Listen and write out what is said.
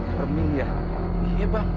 remi ya iya bang